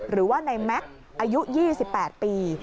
หรือว่าในแม็กซ์อายุ๒๘ปี